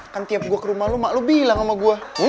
kan tiap gue ke rumah lo emak lo bilang sama gue